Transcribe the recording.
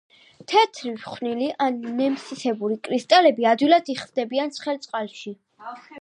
თეთრი ფხვნილი ან ნემსისებური კრისტალები, ადვილად იხსნებიან ცხელ წყალში.